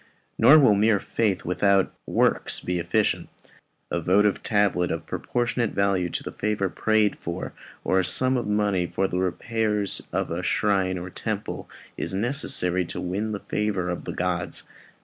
Nor will mere faith without works be efficient. A votive tablet of proportionate value to the favour prayed for, or a sum of money for the repairs of the shrine or temple, is necessary to win the favour of the gods.